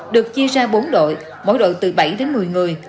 được chia ra bốn đội mỗi đội từ bảy đến một mươi người